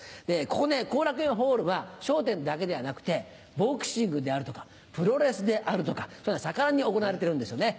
ここ後楽園ホールは『笑点』だけではなくてボクシングであるとかプロレスであるとか盛んに行われてるんですよね。